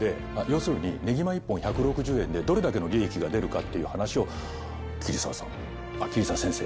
要するにねぎま１本１６０円でどれだけの利益が出るかっていう話を桐沢さんあっ桐沢先生が。